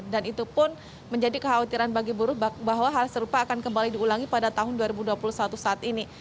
dan itu pun menjadi kekhawatiran bagi buruh bahwa hal serupa akan kembali diulangi pada tahun dua ribu dua puluh satu saat ini